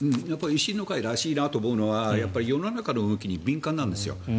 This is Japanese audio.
維新の会らしいなと思うのは世の中の動きに敏感なんですよ。